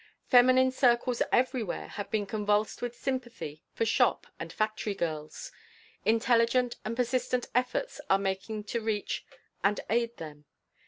Feminine circles everywhere have been convulsed with sympathy for shop and factory girls. Intelligent and persistent efforts are making to reach and aid them.